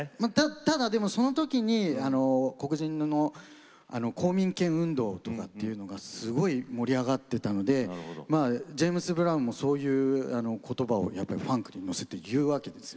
ただでもその時に黒人の公民権運動とかっていうのがすごい盛り上がってたのでまあジェームス・ブラウンもそういう言葉をやっぱりファンクに乗せて言うわけですよ。